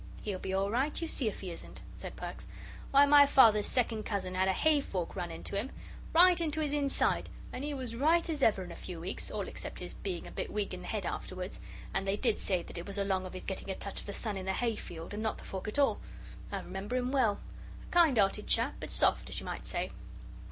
"He'll be all right; you see if he isn't," said Perks. "Why, my father's second cousin had a hay fork run into him, right into his inside, and he was right as ever in a few weeks, all except his being a bit weak in the head afterwards, and they did say that it was along of his getting a touch of the sun in the hay field, and not the fork at all. I remember him well. A kind 'earted chap, but soft, as you might say."